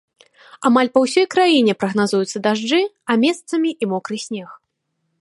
Амаль па ўсёй краіне прагназуюцца дажджы, а месцамі і мокры снег.